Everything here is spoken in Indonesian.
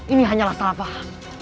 ini hanyalah salah paham